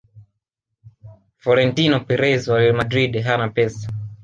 frorentino perez wa real madrid hana pesa